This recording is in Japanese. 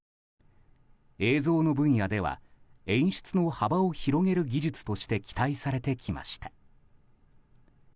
映像の分野では演出の幅を広げる技術として期待されてきました。